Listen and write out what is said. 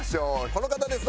この方です。